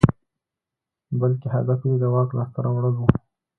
بلکې هدف یې د واک لاسته راوړل وو.